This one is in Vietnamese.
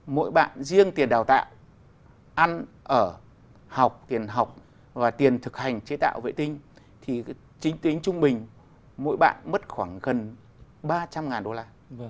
mỗi bạn riêng tiền đào tạo ăn ở học tiền học và tiền thực hành chế tạo vệ tinh thì chính tính trung bình mỗi bạn mất khoảng gần ba trăm linh đô la